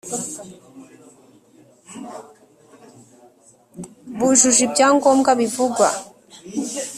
bujuje ibya ngombwa bivugwa